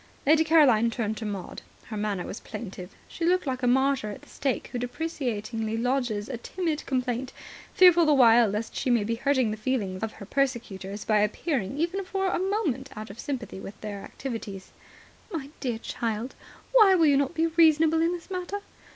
Lady Caroline turned to Maud. Her manner was plaintive. She looked like a martyr at the stake who deprecatingly lodges a timid complaint, fearful the while lest she may be hurting the feelings of her persecutors by appearing even for a moment out of sympathy with their activities. "My dear child, why will you not be reasonable in this matter?